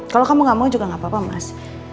kalau kamu gak mau juga gak apa apa mas